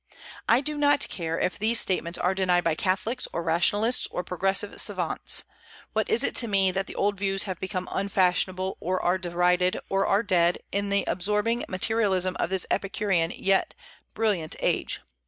I do not care if these statements are denied by Catholics, or rationalists, or progressive savants. What is it to me that the old views have become unfashionable, or are derided, or are dead, in the absorbing materialism of this Epicurean yet brilliant age?